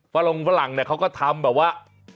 ฝรงฝรั่งเนี่ยเขาก็ทำแบบว่า